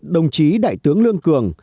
đồng chí đại tướng lương cường